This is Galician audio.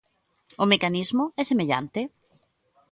O mecanismo é semellante?